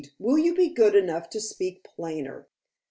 Will you be good enough to speak plainer?"